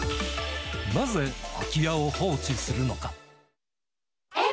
なぜ空き家を放置するのか。